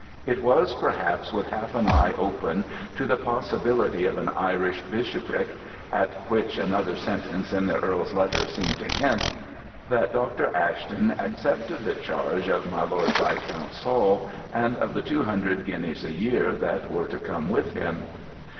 It was perhaps with half an eye open to the possibility of an Irish bishopric (at which another sentence in the Earl's letter seemed to hint) that Dr. Ashton accepted the charge of my Lord Viscount Saul and of the 200 guineas a year that were to come with him.